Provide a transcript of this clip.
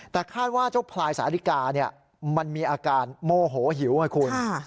แต่คาดว่าเจ้าพลายสาธิกามันมีอาการโมโหหิวไงคุณ